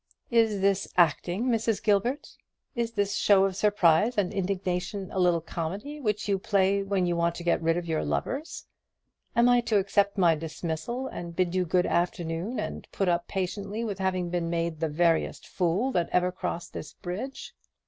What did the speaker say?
"Is this acting, Mrs. Gilbert? Is this show of surprise and indignation a little comedy, which you play when you want to get rid of your lovers? Am I to accept my dismissal, and bid you good afternoon, and put up patiently with having been made the veriest fool that ever crossed this bridge?"